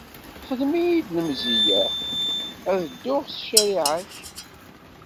Xedm-iyi lemziya ad dduɣ s ccariɛa-k.